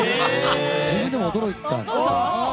自分でも驚いたんです。